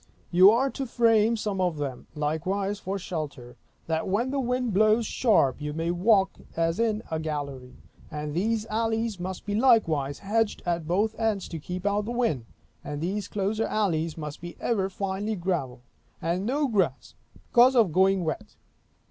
You are to frame some of them, likewise, for shelter, that when the wind blows sharp you may walk as in a gallery. And those alleys must be likewise hedged at both ends, to keep out the wind; and these closer alleys must be ever finely gravelled, and no grass, because of going wet.